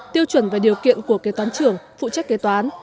tiêu chuẩn và điều kiện của kế toán trưởng phụ trách kế toán